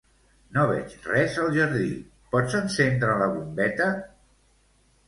No veig res al jardí; pots encendre la bombeta?